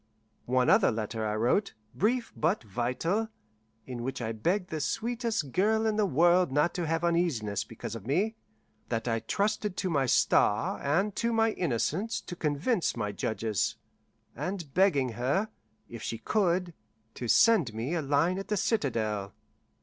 One other letter I wrote, brief but vital, in which I begged the sweetest girl in the world not to have uneasiness because of me; that I trusted to my star and to my innocence to convince my judges; and begging her, if she could, to send me a line at the citadel.